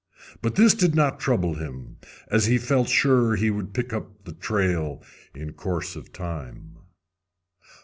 But this did not trouble him, as he felt sure he would pick up the trail in course of time.